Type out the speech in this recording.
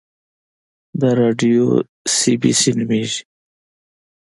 دا راډیو سي بي سي نومیږي